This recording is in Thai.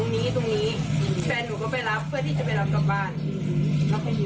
แต่พี่ว่าแฟนหนูมันห้ามตาคนนี้ไม่ได้